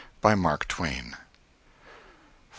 BY MARK TWAIN. VI.